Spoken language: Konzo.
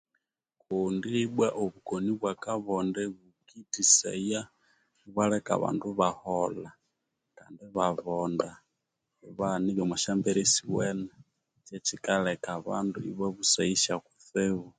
Kundi ibwa obukoni obwakabonde bukitisaya ibwaleka abandu ibaholha kandi ibabonda ibaghana eribya omwasyambera esyowene kyekikalheka abandu ibabusaghisya kutsibu